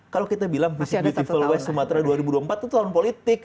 kalau kita bilang beautiful west sumatera dua ribu dua puluh empat itu tahun politik